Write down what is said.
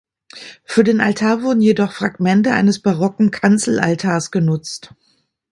Für den Altar wurden jedoch Fragmente eines barocken Kanzelaltars genutzt.